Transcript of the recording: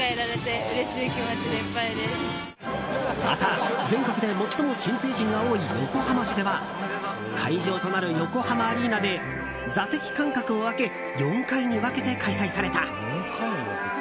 また、全国で最も新成人が多い横浜市では会場となる横浜アリーナで座席間隔を空け４回に分けて開催された。